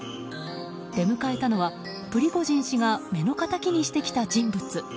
出迎えたのは、プリゴジン氏が目の敵にしてきた人物。